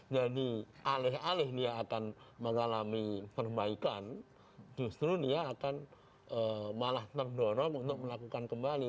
jadi alih alih dia akan mengalami perbaikan justru dia akan malah terdorong untuk melakukan kembali